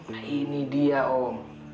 nah ini dia om